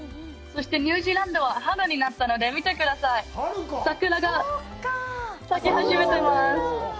そして、ニュージーランドは春になったので見てください、桜が咲き始めてます！